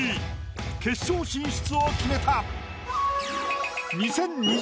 決勝進出を決めた。